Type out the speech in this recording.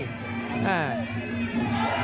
ได้ทิ้งบ้างครับ